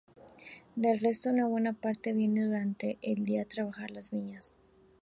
Del resto, una buena parte viene durante el día a trabajar las viñas.